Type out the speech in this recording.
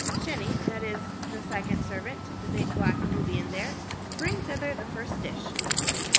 Sheni that is the second servant, the big black Nubian there bring hither the first dish."